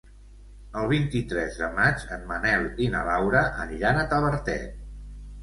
El vint-i-tres de maig en Manel i na Laura aniran a Tavertet.